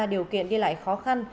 điều kiện đi lại khó khăn